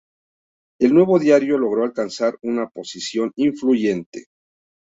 El nuevo diario logró alcanzar una posición influyente.